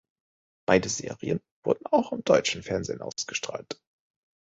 Beide Serien wurden auch im deutschen Fernsehen ausgestrahlt.